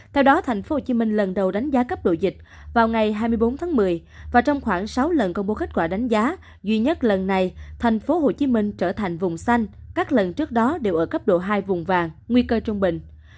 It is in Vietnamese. theo đó tp hcm lần đầu đánh giá cấp độ dịch vào ngày hai mươi bốn tháng một mươi và trong khoảng sáu lần công bố kết quả đánh giá duy nhất lần này thành phố hồ chí minh trở thành vùng xanh các lần trước đó đều ở cấp độ hai vùng vàng nguy cơ trung bình